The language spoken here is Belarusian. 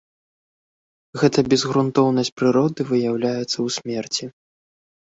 Гэта безгрунтоўнасць прыроды выяўляецца ў смерці.